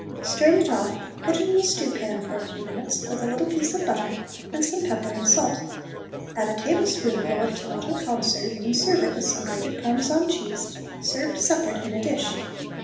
Strain it of off, put it in the stew pan for a few minutes, with a little piece of butter and some pepper and salt. Add a tablespoonful of tomato conserve, and serve it with some grated Parmesan cheese, served separate in a dish.